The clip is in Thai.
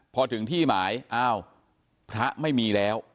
พอถึงที่หมายอ้าวพระไม่มีแล้ว